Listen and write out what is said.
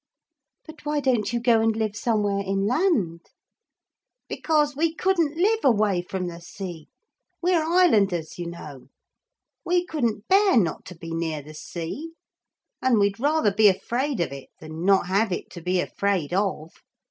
'But why don't you go and live somewhere inland?' 'Because we couldn't live away from the sea. We're islanders, you know; we couldn't bear not to be near the sea. And we'd rather be afraid of it, than not have it to be afraid of.